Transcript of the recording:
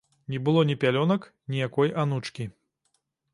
Не было ні пялёнак, ні якой анучкі.